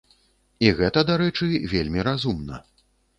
І гэта, дарэчы, вельмі разумна.